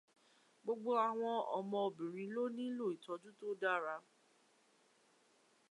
Gbogbo àwọn ọmọbìnrin ló nílò ìtọ́jú tó dára.